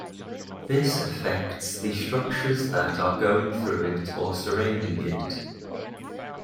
This affects the structures that are going through it or surround it.